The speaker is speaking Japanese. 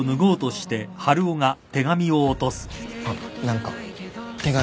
あっ何か手紙。